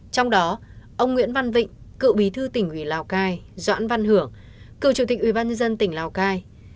trong đó ông nguyễn văn vịnh cựu bí thư tỉnh lào cai doãn văn hưởng cựu chủ tịch ủy ban dân tỉnh lào cai